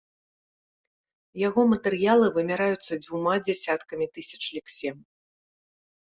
Яго матэрыялы вымяраюцца дзвюма дзясяткамі тысяч лексем.